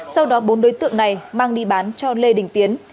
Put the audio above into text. sau đó bốn đối tượng này mang đi bán cho lê đình tiến